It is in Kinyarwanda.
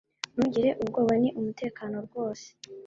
Ntugire ubwoba Ni umutekano rwose